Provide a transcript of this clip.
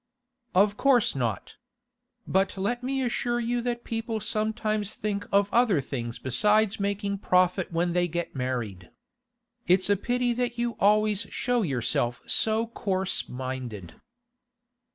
'Of course not. But let me assure you that people sometimes think of other things besides making profit when they get married. It's a pity that you always show yourself so coarse minded.